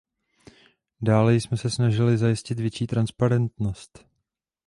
Dále jsme se snažili zajistit větší transparentnost.